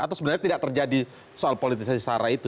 atau sebenarnya tidak terjadi soal politisasi sara itu